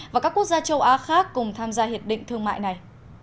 và các quốc gia châu á khác cùng tham gia hiệp định thương mại này